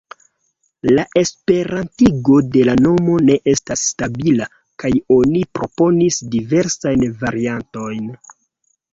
La esperantigo de la nomo ne estas stabila, kaj oni proponis diversajn variantojn.